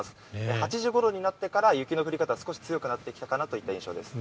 ８時ごろになってから雪の降り方は少し強くなってきたかなという印象です。